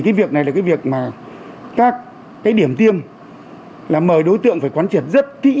cái việc này là cái việc mà các cái điểm tiêm là mời đối tượng phải quán triệt rất kỹ